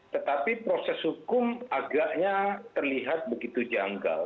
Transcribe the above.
tetapi proses hukum agaknya terlihat begitu janggal